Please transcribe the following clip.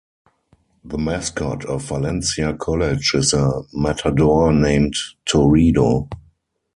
The mascot of Valencia College is a Matador named Toredo.